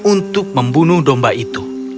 untuk membunuh domba itu